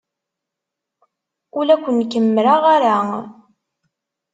Ur la ken-kemmreɣ ara.